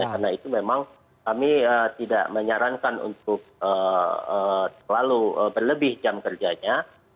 karena itu memang kami tidak menyarankan untuk terlalu berlebih jam kerjanya